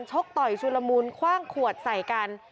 กต่อยชุลมูลคว่างขวดใส่กัน